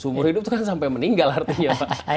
seumur hidup itu kan sampai meninggal artinya pak